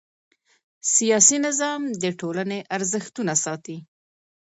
سیاسي نظام د ټولنې ارزښتونه ساتي